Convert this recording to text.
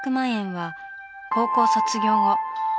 円は高校卒業後